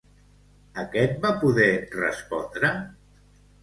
Aquest va poder respondre?